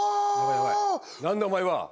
何だお前は！